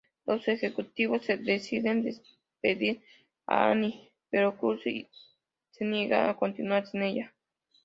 Los ejecutivos deciden despedir a Annie, pero Krusty se niega a continuar sin ella.